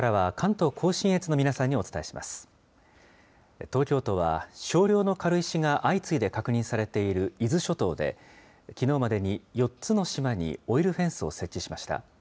東京都は、少量の軽石が相次いで確認されている伊豆諸島で、きのうまでに４つの島にオイルフェンスを設置しました。